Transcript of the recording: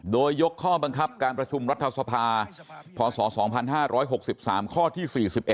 โดยยกข้อบังคับการประชุมรัฐสภาพศ๒๕๖๓ข้อที่๔๑